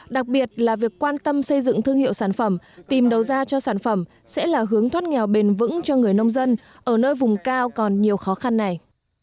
đặc biệt là việc quan tâm xây dựng thương hiệu sản phẩm tìm đầu ra cho sản phẩm sẽ là hướng thoát nghèo bền vững cho người nông dân ở nơi vùng cao còn nhiều khó khăn này